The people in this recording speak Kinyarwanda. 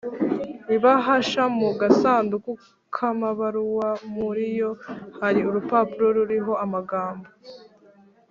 ibahasha mu gasanduku k amabaruwa Muriyo hari urupapuro ruriho amagambo